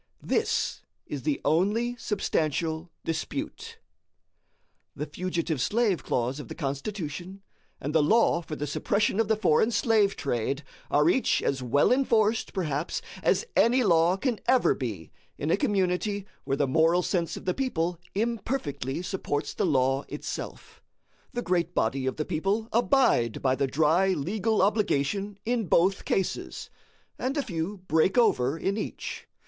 This is the only substantial dispute. The fugitive slave clause of the Constitution, and the law for the suppression of the foreign slave trade, are each as well enforced, perhaps, as any law can ever be in a community where the moral sense of the people imperfectly supports the law itself. The great body of the people abide by the dry legal obligation in both cases, and a few break over in each.